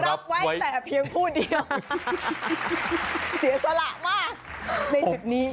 รับไว้แต่เพียงผู้เดียวเสียสละมากในจุดนี้